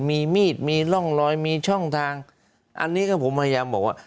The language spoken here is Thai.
มีมีดมีร่องรอยมีช่องทางอันนี้ก็ผมพยายามบอกว่า